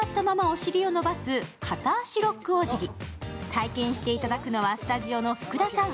体験していただくのはスタジオの福田さん。